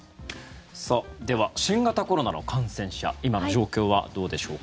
では、新型コロナの感染者今の状況はどうでしょうか？